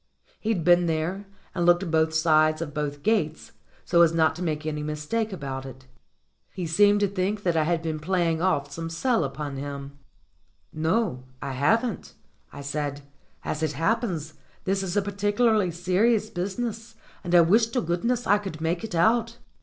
He'd been there, and looked both sides of both gates, so as not to make any mistake about it. He seemed to think that I had been playing off some sell upon him. THE KEY OF THE HEN HOUSE 175 "No, I haven't," I said. "As it happens, this is a particularly serious business, and I wish to goodness I could make it out."